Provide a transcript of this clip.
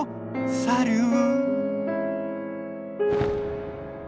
サリュー！